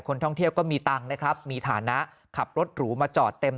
ท่องเที่ยวก็มีตังค์นะครับมีฐานะขับรถหรูมาจอดเต็ม